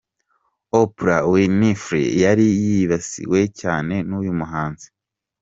Oprah Winfrey yari yibasiwe cyane n'uyu muhanzi.